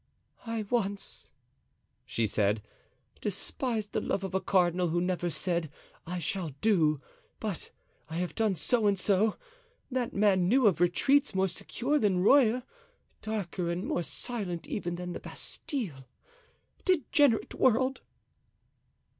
"I once," she said, "despised the love of a cardinal who never said 'I shall do,' but, 'I have done so and so.' That man knew of retreats more secure than Rueil, darker and more silent even than the Bastile. Degenerate world!"